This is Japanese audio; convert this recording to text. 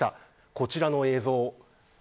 こちらの映像。